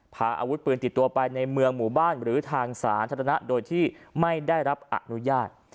พาอาวุธปืนติดตัวไปในเมืองหมู่บ้านหรือทางสาธารณะโดยที่ไม่ได้รับอนุญาต